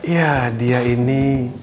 ya dia ini